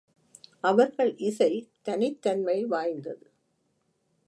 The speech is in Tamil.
அவர்கள் இசை தனித் தன்மை வாய்ந்தது.